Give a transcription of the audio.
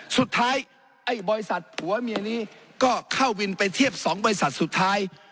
ไอ้บริษัทผัวเมียนี้ก็เข้าวินไปเทียบ๒บริษัทสุดท้าย